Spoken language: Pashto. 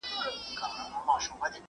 د جنګ وي هم د ننګ وي